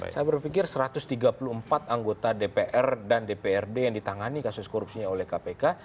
saya berpikir satu ratus tiga puluh empat anggota dpr dan dprd yang ditangani kasus korupsinya oleh kpk